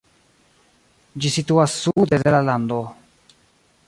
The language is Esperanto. Ĝi situas sude de la lando.